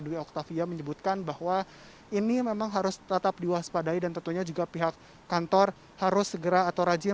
dwi oktavia menyebutkan bahwa ini memang harus tetap diwaspadai dan tentunya juga pihak kantor harus segera atau rajin